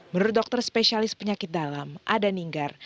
menurut dokter spesialis penyakit dalam ada ninggar